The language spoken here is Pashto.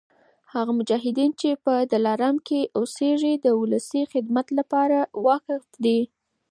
هغه مجاهدین چي په دلارام کي اوسیږي د ولسي خدمت لپاره وقف دي